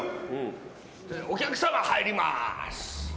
お客さま入ります。